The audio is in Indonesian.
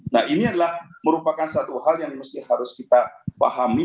nah ini adalah merupakan satu hal yang harus kita pahami